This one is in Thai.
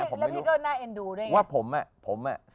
แล้วพี่ก็น่าเอ็นดูด้วยว่าผมอ่ะผมอ่ะ